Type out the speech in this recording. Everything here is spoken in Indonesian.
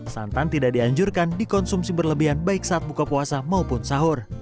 santan tidak dianjurkan dikonsumsi berlebihan baik saat buka puasa maupun sahur